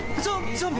ゾンビ⁉